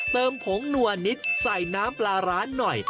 ผงนัวนิดใส่น้ำปลาร้าหน่อย